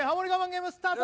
ゲームスタート